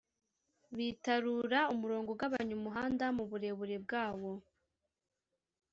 Bitarura Umurongo ugabanya umuhanda muburebure bwawo